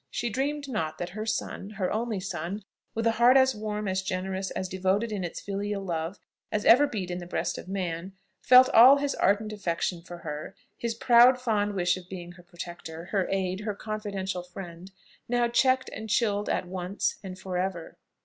She dreamed not that her son, her only son, with a heart as warm, as generous, as devoted in its filial love, as ever beat in the breast of a man, felt all his ardent affection for her, his proud fond wish of being her protector, her aid, her confidential friend now checked and chilled at once, and for ever!